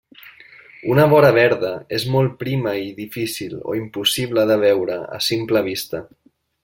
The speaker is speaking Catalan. Una vora verda és molt prima i difícil o impossible de veure a simple vista.